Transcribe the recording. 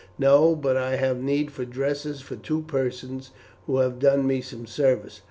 "No, but I have need for dresses for two persons who have done me some service."